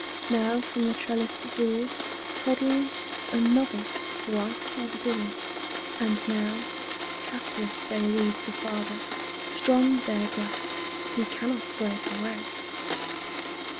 Now from the trellised door Toddles another bright haired boy. And now Captive they lead the father; strong their grasp; He cannot break away.